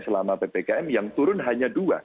selama ppkm yang turun hanya dua